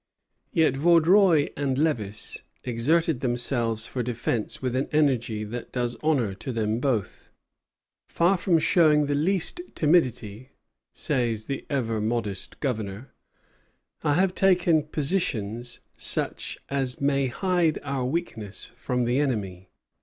Yet Vaudreuil and Lévis exerted themselves for defence with an energy that does honor to them both. "Far from showing the least timidity," says the ever modest Governor, "I have taken positions such as may hide our weakness from the enemy."